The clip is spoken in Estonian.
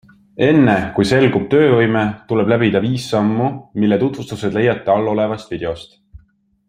Enne, kui selgub töövõime, tuleb läbida viis sammu, mille tutvustused leiad allolevast videost.